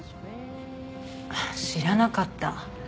知らなかった。